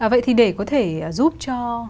vậy thì để có thể giúp cho